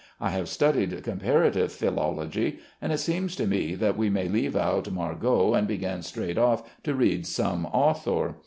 I have studied comparative philology, and it seems to me that we may leave out Margot and begin straight off to read some author."